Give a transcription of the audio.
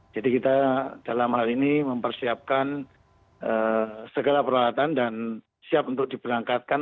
jadi kita dalam hal ini mempersiapkan segala peralatan dan siap untuk diberangkatkan